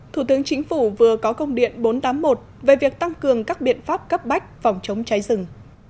thủ tướng chính phủ vừa có công điện bốn trăm tám mươi một về việc tăng cường các biện pháp cấp bách phòng chống cháy rừng